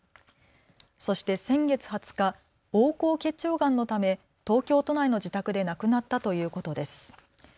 そして先月２０日横行結腸がんのため東京都内の自宅で亡くなったということです。